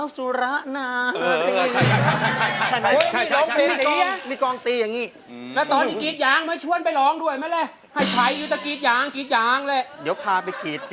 เซไม่ต้องยกหยุม